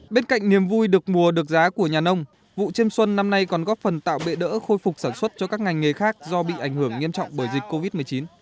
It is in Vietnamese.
bên cạnh niềm vui được mùa được giá của nhà nông vụ chiêm xuân năm nay còn góp phần tạo bệ đỡ khôi phục sản xuất cho các ngành nghề khác do bị ảnh hưởng nghiêm trọng bởi dịch covid một mươi chín